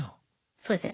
そうですね。